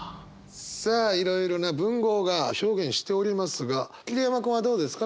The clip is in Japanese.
さあいろいろな文豪が表現しておりますが桐山君はどうですか？